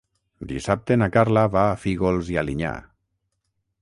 Dissabte na Carla va a Fígols i Alinyà.